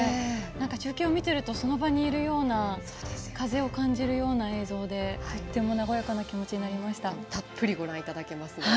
中継を見ているとその場にいるような風を感じるような映像でとっても和やかな気持ちになりました。